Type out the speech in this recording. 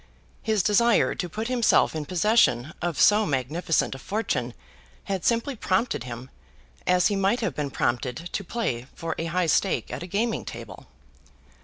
His desire to put himself in possession of so magnificent a fortune had simply prompted him, as he might have been prompted to play for a high stake at a gaming table.